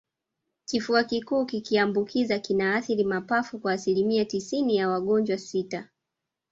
Kifua kikuu kikiambukiza kinaathiri mapafu kwa asilimia tisini ya wagonjwa sita